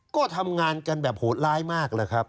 ก็ทำงานกันแบบโหดร้ายมาก